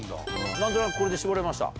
何となくこれで絞れました？